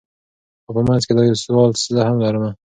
خو په منځ کي دا یو سوال زه هم لرمه